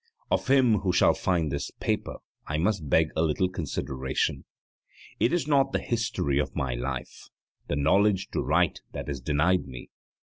Of him who shall find this paper I must beg a little consideration. It is not the history of my life; the knowledge to write that is denied me.